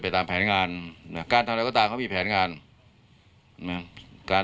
การทำอะไรก็ตามเค้ามีทางผลิตคน